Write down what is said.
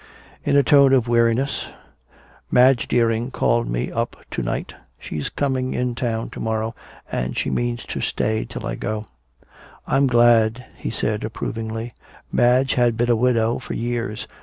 In a tone of weariness. "Madge Deering called me up to night. She's coming in town to morrow, and she means to stay till I go." "I'm glad," he said approvingly. Madge had been a widow for years.